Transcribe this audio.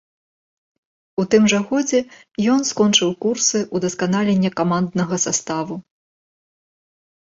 У тым жа годзе ён скончыў курсы ўдасканалення каманднага саставу.